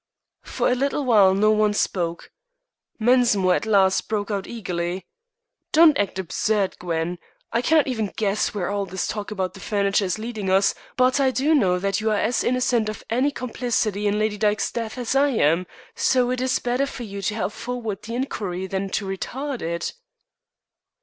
For a little while no one spoke. Mensmore at last broke out eagerly: "Don't act absurdly, Gwen. I cannot even guess where all this talk about the furniture is leading us, but I do know that you are as innocent of any complicity in Lady Dyke's death as I am, so it is better for you to help forward the inquiry than to retard it."